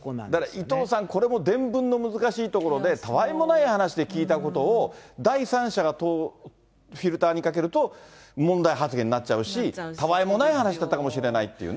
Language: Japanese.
伊藤さん、これも伝聞の難しいところで、たわいもない話で聞いたことを、第三者がフィルターにかけると、問題発言になっちゃうし、たわいもない話だったかもしれないというね。